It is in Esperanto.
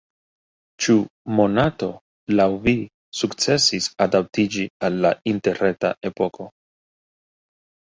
Ĉu Monato laŭ vi sukcesis adaptiĝi al la interreta epoko?